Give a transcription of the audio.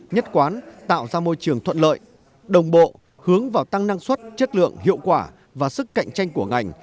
nhất quán tạo ra môi trường thuận lợi đồng bộ hướng vào tăng năng suất chất lượng hiệu quả và sức cạnh tranh của ngành